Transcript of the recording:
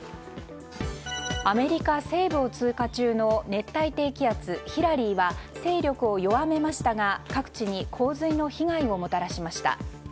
アメリカ西部を通過中の熱帯低気圧ヒラリーは勢力を弱めましたが、各地に洪水の被害をもたらしました。